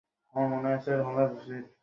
অহেতুক নাক গলিয়েছি।